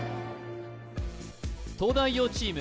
東大王チーム